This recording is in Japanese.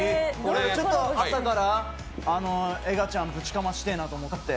ちょっと朝からエガちゃん、ぶちかましてぇなと思って。